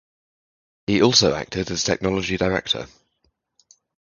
He also acted as technology director.